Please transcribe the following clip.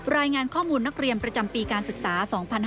รายงานข้อมูลนักเรียนประจำปีการศึกษา๒๕๕๙